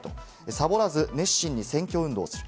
サボらず熱心に選挙運動する。